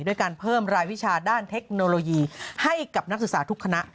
ด้วยการเพิ่มรายวิชาด้านเทคโนโลยีให้กับนักศึกษาทุกคณะ